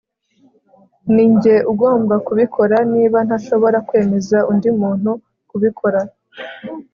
ninjye ugomba kubikora niba ntashobora kwemeza undi muntu kubikora